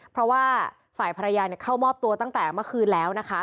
เพราะว่าฝ่ายภรรยาเข้ามอบตัวตั้งแต่เมื่อคืนแล้วนะคะ